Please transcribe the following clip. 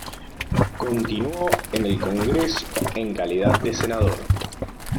Continuó en el Congreso en calidad de senador.